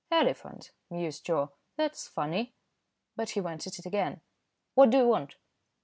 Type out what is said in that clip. "Elephant," mused Joe. "That's funny." But he went at it again. "What do you want?"